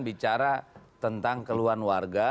bicara tentang keluhan warga